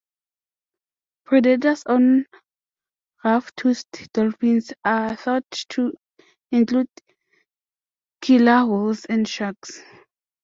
Predators on rough-toothed dolphins are thought to include killer whales and sharks.